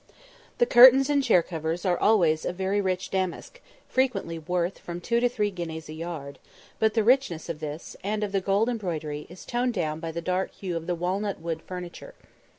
The curtains and chair covers are always of very rich damask, frequently worth from two to three guineas a yard; but the richness of this, and of the gold embroidery, is toned down by the dark hue of the walnut wood furniture.